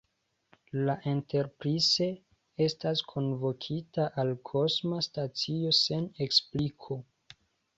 La Enterprise estas kunvokita al kosma stacio sen ekspliko.